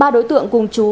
ba đối tượng cùng chú